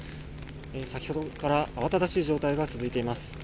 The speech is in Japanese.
先ほどから慌ただしい状態が続いています。